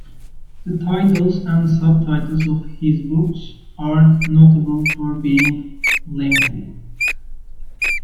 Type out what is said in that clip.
The titles and subtitles of his books are notable for being lengthy.